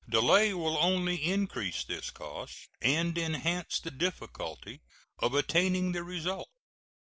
Delay will only increase this cost and enhance the difficulty of attaining the result.